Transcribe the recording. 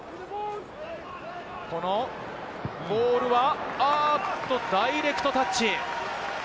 このボールはダイレクトタッチ。